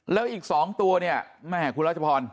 แล้วอีก๒ตัวคุณราชพร